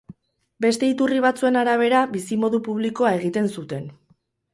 Beste iturri batzuen arabera, bizimodu publikoa egiten zuten.